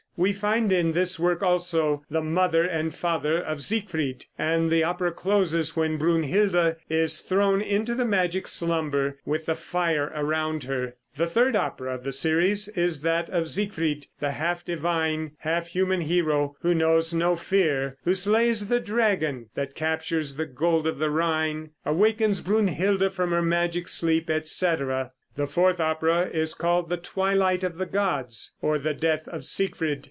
We find in this work also the mother and father of Siegfried, and the opera closes when Brunhilde is thrown into the magic slumber with the fire around her. The third opera of the series is that of Siegfried, the half divine, half human hero, who knows no fear who slays the dragon that captures the gold of the Rhine awakens Brunhilde from her magic sleep, etc. The fourth opera is called "The Twilight of the Gods," or "The Death of Siegfried."